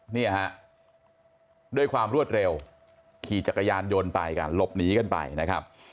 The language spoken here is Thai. นี่ด้วยความรวดเร็วขี่จักรยานโยนลบหนีกันไป